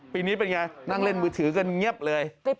ปีนี้เป็นไงนั่งเล่นมือถือกันเงียบเลย